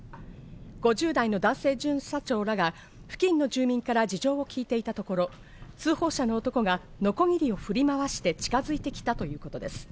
５０代の男性巡査長らが付近の住民から事情を聴いていたところ、通報者の男がのこぎりを振り回して近づいてきたということです。